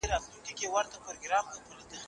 په روسیه کي لاسي صنایعو رواج درلود.